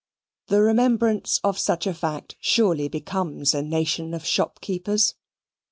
The remembrance of such a fact surely becomes a nation of shopkeepers.